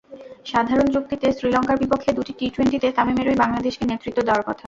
সাধারণ যুক্তিতে শ্রীলঙ্কার বিপক্ষে দুটি টি-টোয়েন্টিতে তামিমেরই বাংলাদেশকে নেতৃত্ব দেওয়ার কথা।